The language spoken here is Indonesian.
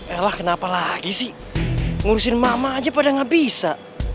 eh lah kenapa lagi sih ngurusin mama aja pada gak bisa